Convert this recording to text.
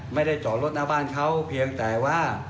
ไม่ได้จอดรถหน้าบ้านเขาเพียงแต่ว่า